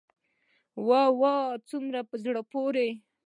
واه واه څومره په زړه پوري.